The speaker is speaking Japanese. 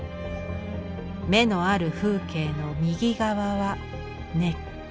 「眼のある風景の右側は根っ子」。